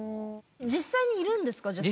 実際にいるんですか？